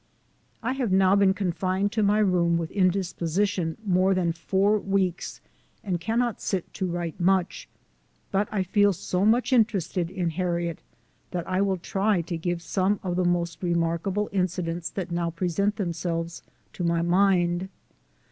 I have now been confined to my room w r ith in disposition more than four weeks, and cannot sit to write much ; but I feel so much interested in Har riet that I will try to give some of the most remark able incidents that now present themselves to my mind.